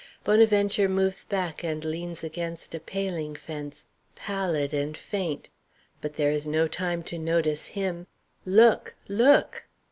Bonaventure moves back and leans against a paling fence, pallid and faint. But there is no time to notice him look, look!